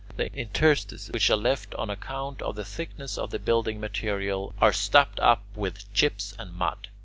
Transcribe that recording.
The interstices, which are left on account of the thickness of the building material, are stopped up with chips and mud.